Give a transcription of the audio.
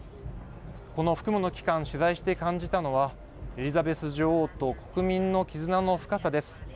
この服喪の期間、取材して感じたのはエリザベス女王と国民の絆の深さです。